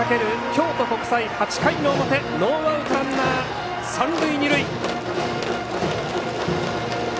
京都国際８回の表ノーアウトランナー、三塁二塁。